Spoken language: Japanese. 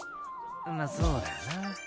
まあそうだよな。